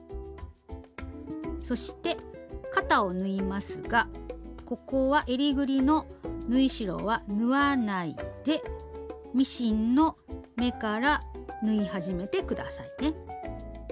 そして肩を縫いますがここはえりぐりの縫い代は縫わないでミシンの目から縫い始めて下さいね。